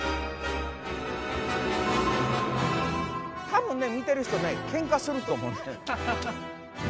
多分ね、見てる人けんかすると思ってる。